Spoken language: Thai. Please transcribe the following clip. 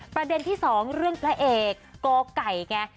ประเด็นที่๒เรื่องพระเอกกไก่ไง